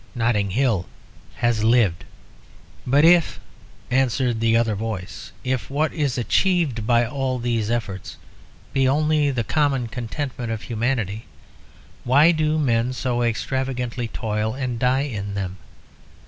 Notting Hill has lived." "But if," answered the other voice, "if what is achieved by all these efforts be only the common contentment of humanity, why do men so extravagantly toil and die in them?